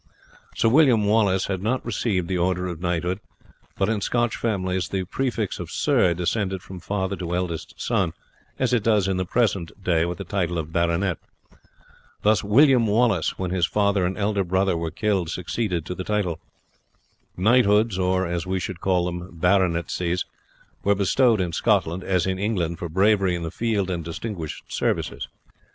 Sir William Wallace had not received the order of knighthood; but in Scotch families the prefix of Sir descended from father to eldest son, as it does in the present day with the title of Baronet. Thus William Wallace, when his father and elder brother were killed, succeeded to the title. Knighthoods, or, as we should call them, baronetcies, were bestowed in Scotland, as in England, for bravery in the field and distinguished services.